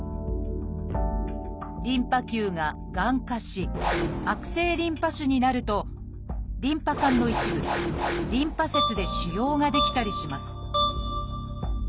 リンパ球ががん化し悪性リンパ腫になるとリンパ管の一部リンパ節で腫瘍が出来たりします